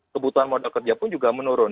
kebutuhan modal kerja pun juga menurun